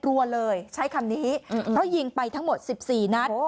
รัวเลยใช้คำนี้เพราะยิงไปทั้งหมด๑๔นัด